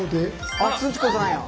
あっすち子さんやん！